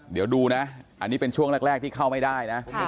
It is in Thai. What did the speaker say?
เดี๋ยวดูนะอันนี้เป็นช่วงแรกที่เข้าไม่ได้นะ